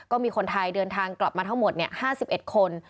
ก็มีคนไทยเดินทางกลับมาทั้งหมด๕๑คน